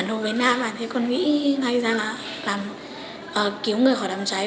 thế con nghĩ thay ra là làm cứu người khỏi đám cháy